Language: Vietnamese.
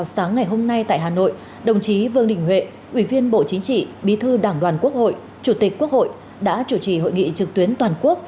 sáng nay đã diễn ra hội nghị trực tuyến toàn quốc